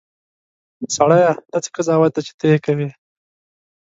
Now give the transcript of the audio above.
سړیه! دا څه قضاوت دی چې ته یې کوې.